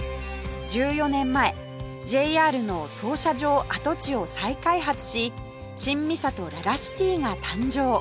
１４年前 ＪＲ の操車場跡地を再開発し新三郷ららシティが誕生